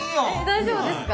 大丈夫ですか？